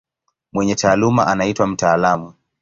Mwenye taaluma anaitwa mtaalamu.